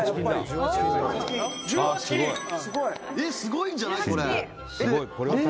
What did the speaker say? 「すごいんじゃない？」